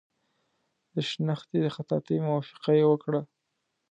د شنختې د خطاطۍ موافقه یې وکړه.